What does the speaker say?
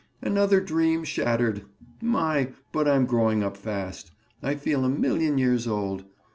"Another dream shattered! My! but I'm growing up fast. I feel a million years old.